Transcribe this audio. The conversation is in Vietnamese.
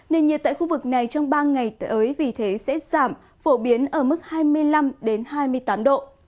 nền nhiệt tại khu vực này trong ba ngày tới vì thế sẽ giảm phổ biến ở mức hai mươi năm hai mươi tám độ